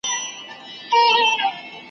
چي هر ځای وینم کارګه له رنګه تور وي `